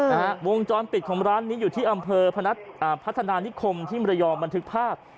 วงจรปิดของร้านนี้อยู่ที่อำเภอพนัฐอ่าพัฒนานิคมที่มรยองบันทึกภาพ